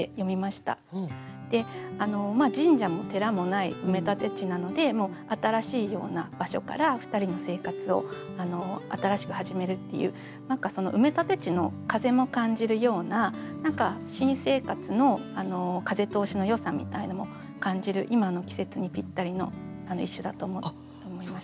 「神社も寺もない埋め立て地」なので新しいような場所から２人の生活を新しく始めるっていう埋め立て地の風も感じるような何か新生活の風通しのよさみたいなものも感じる今の季節にぴったりの一首だと思いました。